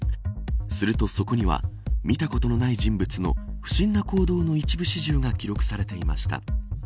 すると、そこには見たことのない人物の不審な行動の一部始終が記録されていました。